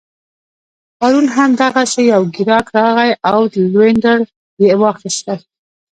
پرون هم دغسي یو ګیراک راغی عود لوینډر يې اخيستل